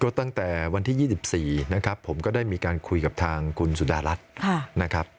ตั้งแต่วันที่๒๔นะครับผมก็ได้มีการคุยกับทางคุณสุดารัฐนะครับ